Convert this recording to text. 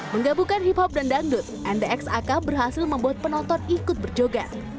menggabungkan hip hop dan dangdut ndx ak berhasil membuat penonton ikut berjoget